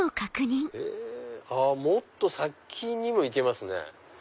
あっもっと先にも行けますね。